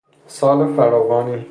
سال فراوانی...